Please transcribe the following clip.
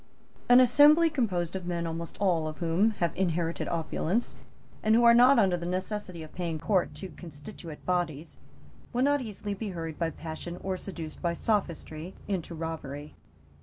An assembly composed of men almost all of whom have inherited opulence, and who are not under the necessity of paying court to constituent bodies, will not easily be hurried by passion or seduced by sophistry into robbery.